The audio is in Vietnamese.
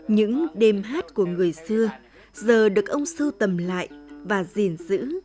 những đêm hát của người xưa giờ được ông sưu tầm lại và gìn giữ